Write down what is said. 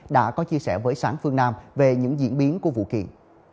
đã có chia sẻ với sản phương nam về những diễn biến của vụ kiện